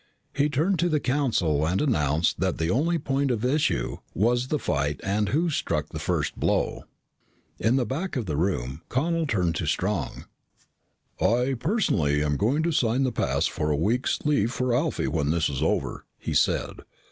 He turned to the Council and announced that the only point of issue was the fight and who struck the first blow. In the back of the room, Connel turned to Strong. "I, personally, am going to sign the pass for a week's leave for Alfie when this is over," he said.